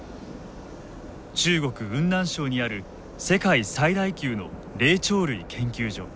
中国・雲南省にある世界最大級の霊長類研究所。